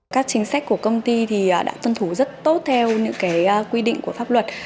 các chính sách của công ty đã tuân thủ rất tốt theo những quy định của pháp luật